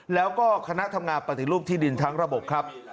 แล้วก็คณะทำงานปฏิรูปที่ดินทั้งระบบครับ